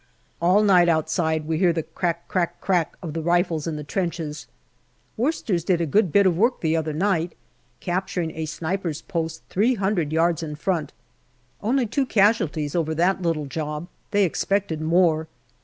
All night outside we hear the crack crack crack of the rifles in the trenches. Worcesters did a good bit of work the other night, capturing a sniper's post three hundred NOVEMBER 263 yards in front. Only two casualties over that little job; they expected more.